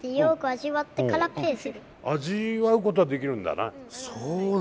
味わうことはできるんだな。